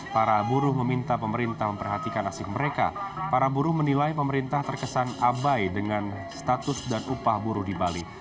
para buruh meminta pemerintah memperhatikan asik mereka para buruh menilai pemerintah terkesan abai dengan status dan upah buruh di bali